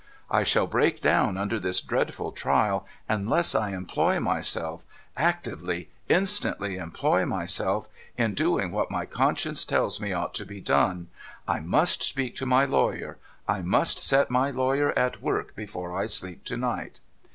I shall break down under this dreadful trial, unless I employ myself— actively, instantly employ myself— in doing what my conscience tells me ought to be done. I must speak to my lawyer; I must set my lawyer at work before I sleep to night.'